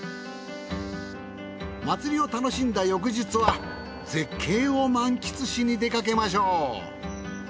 祭りを楽しんだ翌日は絶景を満喫しに出かけましょう。